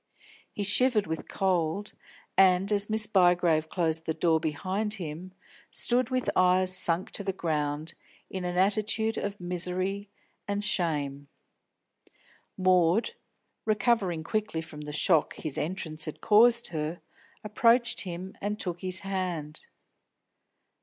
He shivered with cold, and, as Miss Bygrave closed the door behind him, stood with eyes sunk to the ground, in an attitude of misery and shame. Maud, recovering quickly from the shock his entrance had caused her, approached him and took his hand.